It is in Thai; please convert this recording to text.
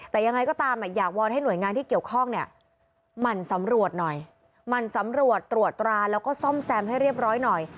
แต่ยังไงก็ตามอยากวอนให้หน่วยงานที่เกี่ยวข้องเนี่ยหมั่นสำรวจหน่อยหมั่นสำรวจตรวจตราแล้วก็ซ่อมแซมให้เรียบร้อยหน่อย